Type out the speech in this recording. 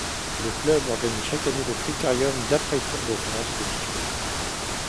Le club organise chaque année le Critérium d'après-Tour de France de Dijon.